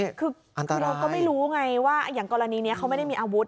คือเราก็ไม่รู้ไงว่าอย่างกรณีนี้เขาไม่ได้มีอาวุธ